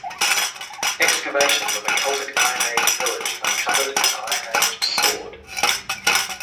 Excavations of a Celtic Iron Age Village uncovered an iron age sword.